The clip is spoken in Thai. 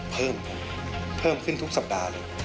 เพิ่มผมเพิ่มขึ้นทุกสัปดาห์เลย